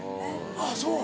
あっそう。